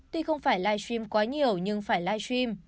tuy không phải live stream quá nhiều nhưng phải live stream